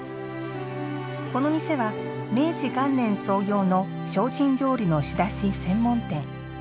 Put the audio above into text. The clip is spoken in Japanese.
この店は、明治元年創業の精進料理の仕出し専門店。